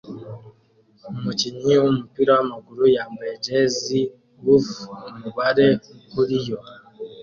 Umukinnyi wumupira wamaguru yambaye jersey wuth umubare "" kuriyo